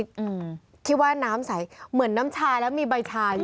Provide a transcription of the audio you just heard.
อืมที่ว่าน้ำใสเหมือนน้ำชาแล้วมีใบชาอยู่